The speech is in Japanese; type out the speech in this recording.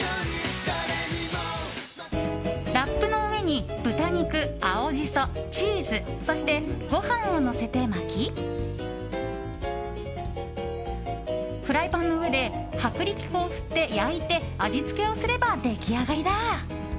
ラップの上に豚肉、青ジソチーズ、そしてご飯をのせて巻きフライパンの上で薄力粉を振って、焼いて味付けをすれば出来上がりだ。